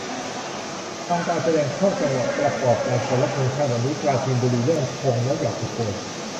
ฟังการแสดงเข้าจังหวะประกอบการเคารพธงชาติวันนี้ ปราจีนบุรี เรื่อง "ธง" แล้วอยากจะป่วย